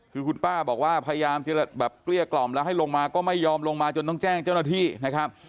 คือคุณป้าบอกว่าพยายามจะแบบเกลี้ยกล่อมแล้วให้ลงมาก็ไม่ยอมลงมาจนต้องแจ้งเจ้าหน้าที่นะครับ